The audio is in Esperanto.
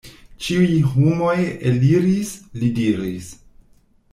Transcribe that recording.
Ĉiuj homoj eliris, li diris.